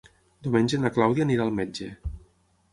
Diumenge na Clàudia anirà al metge.